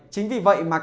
chính vì vậy